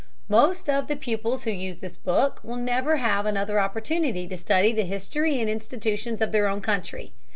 Most of the pupils who use this book will never have another opportunity to study the history and institutions of their own country.